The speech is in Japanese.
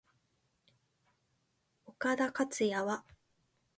岡田克也は？